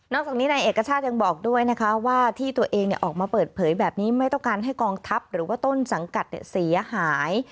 จากนี้นายเอกชาติยังบอกด้วยนะคะว่าที่ตัวเองออกมาเปิดเผยแบบนี้ไม่ต้องการให้กองทัพหรือว่าต้นสังกัดเสียหาย